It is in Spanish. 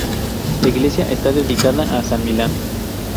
La iglesia está dedicada a San Millán.